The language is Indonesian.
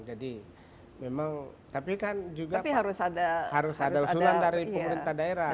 jadi memang tapi kan juga harus ada usulan dari pemerintah daerah